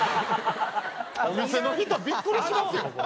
お店の人ビックリしますよこれ。